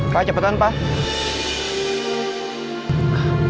pak cepetan pak